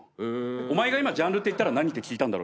お前が今ジャンルっていったら何？って聞いたんだろ。